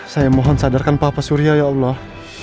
saya mohon sadarkan bapak surya ya allah